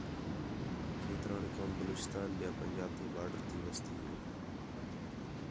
کھیتران قوم بلوچستان ٻیا پنجاب تے بارڈر تی وستین